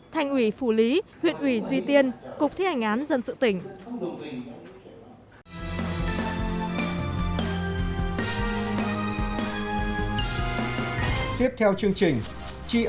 thành ủy phủ lý huyện ủy duy tiên cục thi hành án dân sự tỉnh